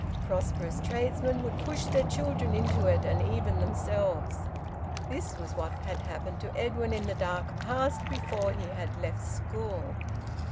Prosperous tradesmen would push their children into it, and even themselves. This was what had happened to Edwin in the dark past, before he had left school.